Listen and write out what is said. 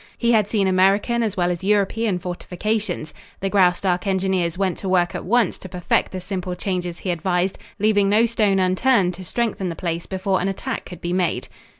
He had seen American as well as European fortifications. The Graustark engineers went to work at once to perfect the simple changes he advised, leaving no stone unturned to strengthen the place before an attack could be made.